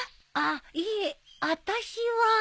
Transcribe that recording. あっいえあたしは。